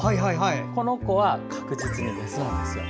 この子は確実にメスなんです。